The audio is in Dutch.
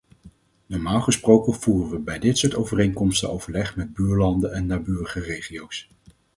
Normaal gesproken voeren we bij dit soort overeenkomsten overleg met buurlanden en naburige regio's.